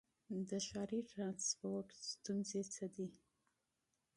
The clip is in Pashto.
د ښاري ټرانسپورټ ستونزې څه دي؟